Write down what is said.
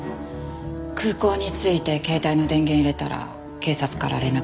空港に着いて携帯の電源入れたら警察から連絡が入っていて。